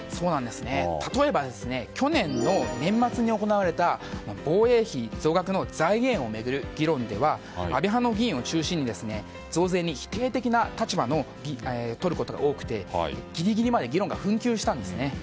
例えば、去年の年末に行われた防衛費増額の財源を巡る議論では安倍派の議員を中心に増税に否定的な立場をとることが多くてギリギリまで議論が紛糾したんですね。